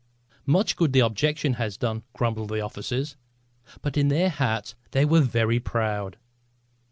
"Much good the objecting has done!" grumbled the officers. But in their hearts they were very proud.